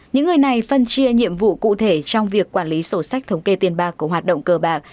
những người này phân chia nhiệm vụ cụ thể trong việc quản lý sổ sách thống kê tiền bạc của hoạt động cờ bạc